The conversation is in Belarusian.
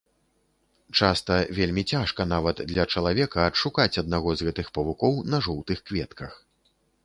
Часта вельмі цяжка нават для чалавека адшукаць аднаго з гэтых павукоў на жоўтых кветках.